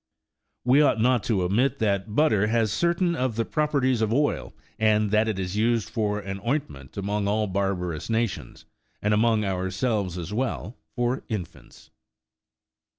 25 Aft e ought not to omit that butter has certain of the properties of oil, and that it is used for an ointment among all barbarous nations, and among ourselves as well, for infants.